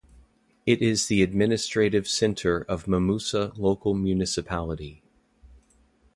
It is the administrative centre of Mamusa Local Municipality.